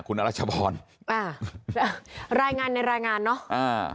คุณอรัชพรอ่ารายงานในรายงานเนอะอ่า